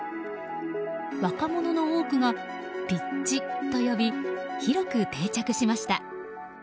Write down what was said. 若者の多くがピッチと呼び広く定着しました。